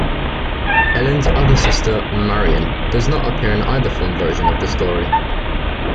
Ellen's other sister, Marion, does not appear in either film version of the story.